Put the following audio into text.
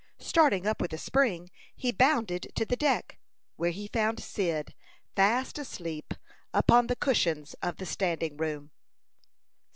Starting up with a spring, he bounded to the deck, where he found Cyd fast asleep upon the cushions of the standing room.